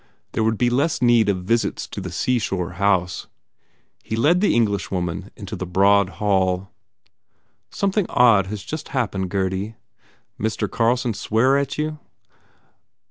There would be less need of visits to the seashore house. He led the Englishwoman into the broad hall. "Something odd has just happened, Gurdy." "Mr. Carlson swear at you?"